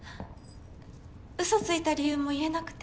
うそついた理由も言えなくて。